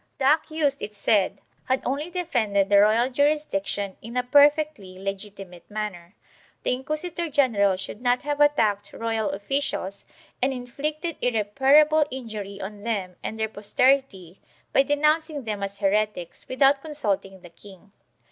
The accused, it said, had only defended the royal jurisdiction in a perfectly legitimate manner; the inquisitor general should not have attacked royal officials and inflicted irreparable injury on them and their pos terity by denouncing them as heretics, without consulting the king.